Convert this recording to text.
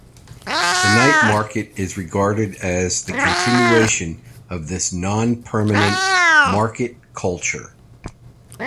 The night market is regarded as the continuation of this non-permanent market culture.